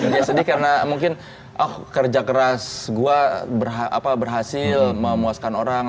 dia sedih karena mungkin oh kerja keras gua berhasil memuaskan orang